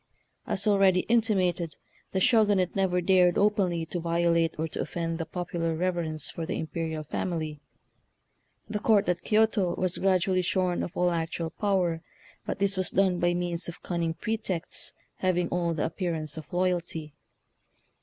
As already intimated, the Shogunate never dared openly to violate or to offend the popular reverence for the imperial family. The Court at Kioto was gradu ally shorn of all actual power, but this was done by means of cunning pretexts having all the appearance of loyalty.